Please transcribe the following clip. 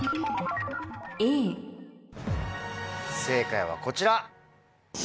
正解はこちら。